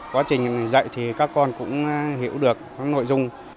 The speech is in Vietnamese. quá trình dạy thì các con cũng hiểu được nội dung